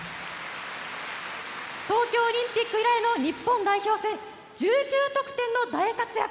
東京オリンピック以来の日本代表戦１９得点の大活躍。